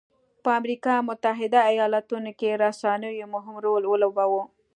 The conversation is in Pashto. په امریکا متحده ایالتونو کې رسنیو مهم رول ولوباوه.